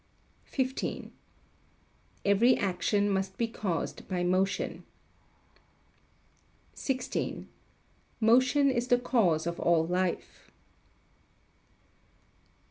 15. Every action must be caused by motion. 16. Motion is the cause of all life.